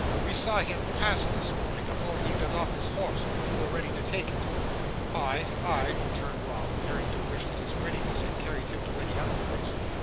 "We saw him pass this morning, afore he got off his horse; when you were ready to take it." "Ay, ay," returned Rob, appearing to wish that his readiness had carried him to any other place.